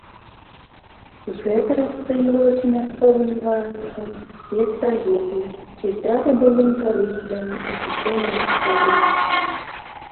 Гэта расцэньвалася мясцовым дваранствам як трагедыя і здрада былым традыцыям і супольнай гісторыі.